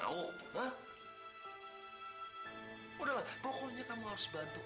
udah lah pokoknya kamu harus bantu